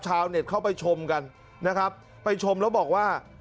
ชาวอเตอร์เน็ตเข้าไปชมกันนะครับไปชมแล้วบอกว่า